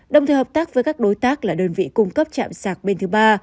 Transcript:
đồng thời hợp tác với các đối tác là đơn vị cung cấp chạm sạc bên thứ ba